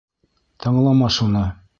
Тыңлама шуны!